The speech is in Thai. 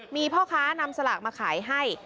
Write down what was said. มีพ่อค้านำสลากมาขายให้